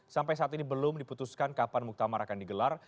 sampai saat ini belum diputuskan kapan muktamar akan digelar